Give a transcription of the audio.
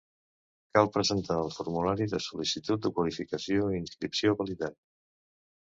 Cal presentar el formulari de sol·licitud de qualificació i inscripció validat.